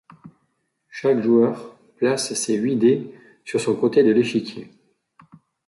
Chaque joueur place ses huit dés sur son côté de l'échiquier.